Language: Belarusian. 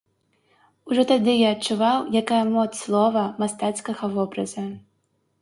Ужо тады я адчуваў, якая моц слова, мастацкага вобраза.